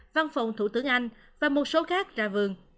văn phòng thủ tướng anh và một số khác ra vườn